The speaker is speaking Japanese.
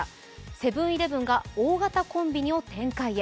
セブン−イレブンが大型コンビニを展開へ。